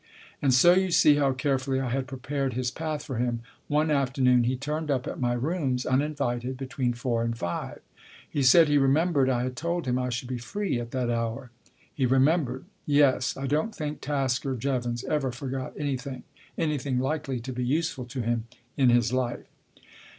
And so you see how carefully I had prepared his path for him one afternoon he turned up at my rooms, uninvited, between four and five. He said he remembered I had told him I should be free at that hour. He remembered. Yes ; I don't think Tasker Jevons ever forgot anything, anything likely to be useful to him, in his life.